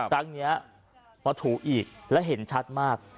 ครั้งนี้มาถูอีกแล้วเห็นชัดมาก